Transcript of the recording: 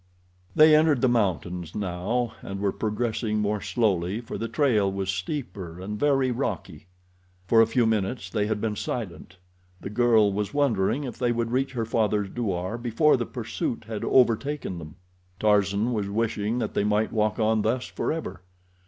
They had entered the mountains now, and were progressing more slowly, for the trail was steeper and very rocky. For a few minutes they had been silent. The girl was wondering if they would reach her father's douar before the pursuit had overtaken them. Tarzan was wishing that they might walk on thus forever.